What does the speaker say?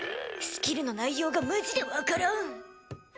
スキルの内容がマジでわからん。